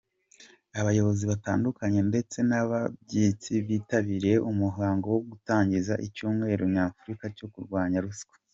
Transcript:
Abayobozi batandukanye ndetse n’abashyitsi bitabiriye umuhango wo gutangiza icyumweru nyafurika cyo kurwanya ruswa.